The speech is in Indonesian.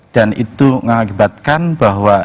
dan itu mengakibatkan bahwa